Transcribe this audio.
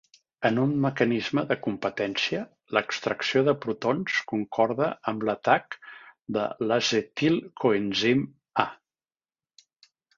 En un mecanisme de competència, l'extracció de protons concorda amb l'atac de l'acetilcoenzim A